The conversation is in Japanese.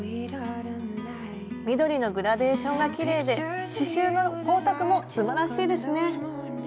緑のグラデーションがきれいで刺しゅうの光沢もすばらしいですね。